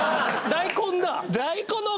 大根だ！